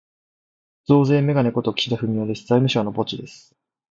増税めがね事、岸田文雄です。財務省のポチです。